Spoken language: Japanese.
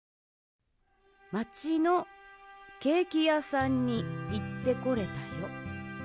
「まちのケーキやさんにいってこれたよ。